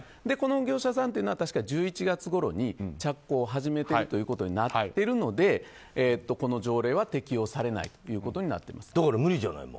この業者さんは１１月ごろに着工を始めているということになっているのでこの条例は適用されないということになっています。